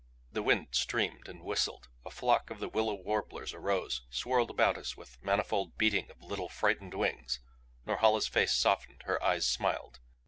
The wind streamed and whistled. A flock of the willow warblers arose, sworled about us with manifold beating of little frightened wings. Norhala's face softened, her eyes smiled.